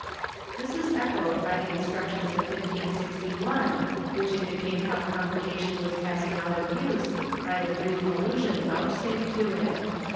^ This is echoed by the Instructions of 1561, which indicate how compurgation was passing out of use by the brief allusion vouch safed to it.